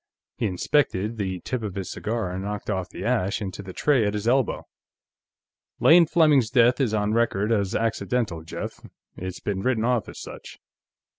He inspected the tip of his cigar and knocked off the ash into the tray at his elbow. "Lane Fleming's death is on record as accidental, Jeff. It's been written off as such.